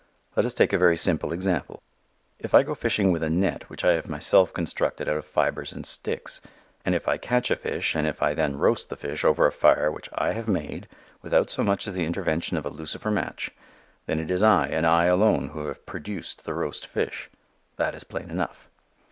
Let us take a very simple example. If I go fishing with a net which I have myself constructed out of fibers and sticks, and if I catch a fish and if I then roast the fish over a fire which I have made without so much as the intervention of a lucifer match, then it is I and I alone who have "produced" the roast fish. That is plain enough.